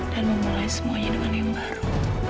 dan memulai semuanya dengan yang baru